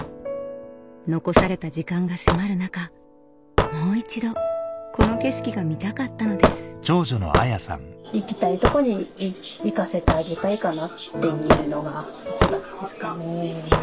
残された時間が迫る中もう一度この景色が見たかったのです行きたいとこに行かせてあげたいかなっていうのが一番ですかね。